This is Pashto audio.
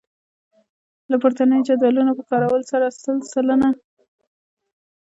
له پورتنیو جدولونو په کارولو سره سل متره فاصله په ډیسي متره اندازه کړئ.